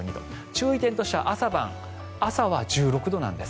注意点として朝は１６度なんです。